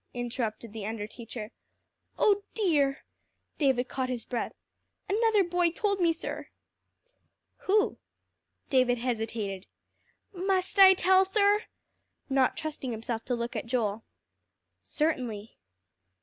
interrupted the under teacher. "Oh dear!" David caught his breath. "Another boy told me, sir." "Who?" David hesitated. "Must I tell, sir?" not trusting himself to look at Joel. "Certainly."